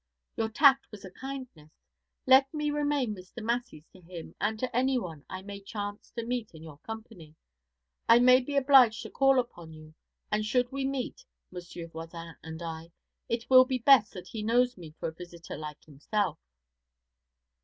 'Your tact was a kindness. Let me remain Mr. Masseys to him and to anyone I may chance to meet in your company. I may be obliged to call upon you, and should we meet, Monsieur Voisin and I, it will be best that he knows me for a visitor like himself.'